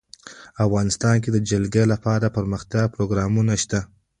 افغانستان کې د جلګه لپاره دپرمختیا پروګرامونه شته.